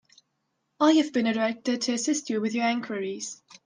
I have been directed to assist you with your enquiries.